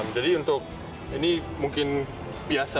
jadi untuk ini mungkin biasa